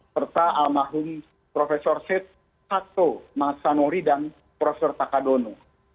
serta al mahhum profesor seth sato masanori dan profesor takadono